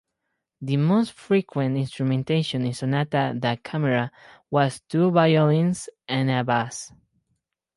The most frequent instrumentation in sonata da camera was two violins and a bass.